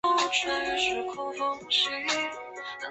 吐迷度被唐朝封为怀化大将军兼瀚海都督。